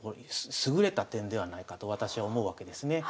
優れた点ではないかと私は思うわけですね。